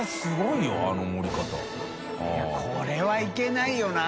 いこれはいけないよな